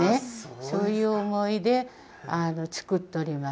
そういう思いで、作っております。